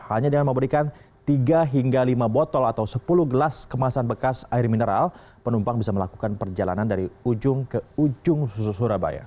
hanya dengan memberikan tiga hingga lima botol atau sepuluh gelas kemasan bekas air mineral penumpang bisa melakukan perjalanan dari ujung ke ujung susu surabaya